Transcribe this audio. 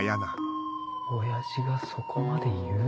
親父がそこまで言う？